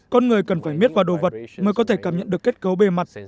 con người cần phải miết vào đồ vật mới có thể cảm nhận được kết cấu bề mặt